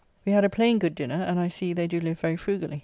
We had a plain, good dinner, and I see they do live very frugally.